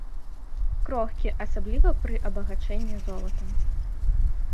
Крохкі, асабліва пры абагачэнні золатам.